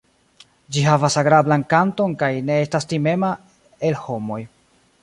Ĝi havas agrablan kanton kaj ne estas timema el homoj.